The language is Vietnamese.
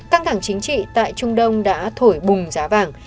căng thẳng chính trị tại trung đông đã thổi bùng giá vàng